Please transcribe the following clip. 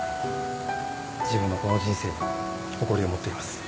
自分のこの人生に誇りを持っています。